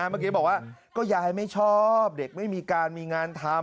เมื่อกี้บอกว่าก็ยายไม่ชอบเด็กไม่มีการมีงานทำ